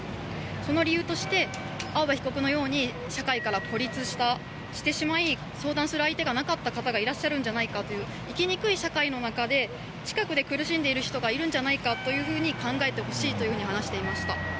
その理由として青葉被告のように社会から孤立してしまい相談する相手がなかった方がいらっしゃるんじゃないかという生きにくい社会の中で近くで苦しんでいる人がいるんじゃないかと考えてほしいというふうに話していました。